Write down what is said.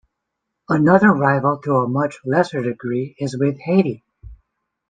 Another rival to a much lesser degree is with Haiti.